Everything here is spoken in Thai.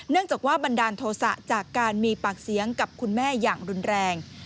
จากว่าบันดาลโทษะจากการมีปากเสียงกับคุณแม่อย่างรุนแรง